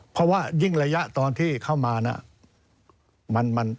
เพราะว่ายิ่งระยะตอนที่เข้ามานะ